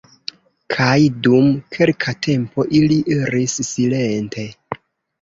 Kaj dum kelka tempo ili iris silente.